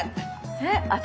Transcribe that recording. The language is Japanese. えっ私？